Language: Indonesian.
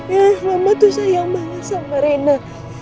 ya mama tuh sayang banget sama rina